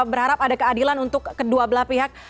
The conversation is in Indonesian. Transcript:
berharap ada keadilan untuk kedua belah pihak